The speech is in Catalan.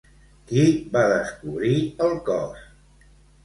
Qui va descobrir el cos?